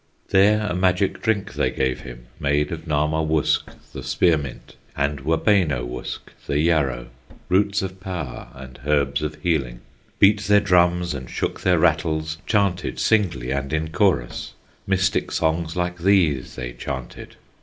There a magic drink they gave him, Made of Nahma wusk, the spearmint, And Wabeno wusk, the yarrow, Roots of power, and herbs of healing; Beat their drums, and shook their rattles; Chanted singly and in chorus, Mystic songs like these, they chanted.